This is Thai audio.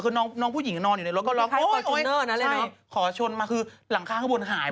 คือน้องผู้หญิงนอนอยู่ในรถก็ลองโอ๊ยขอชนมาคือหลังข้างข้างบนหาย